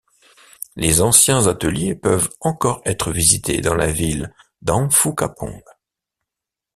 Les anciens ateliers peuvent encore être visités dans la ville d'Amphoe Kapong.